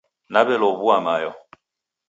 Naw'elow'ua mayo